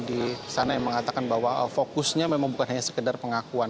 di sana yang mengatakan bahwa fokusnya memang bukan hanya sekedar pengakuan